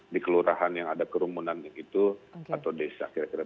di kelurahan yang ada kerumunan itu atau desa kira kira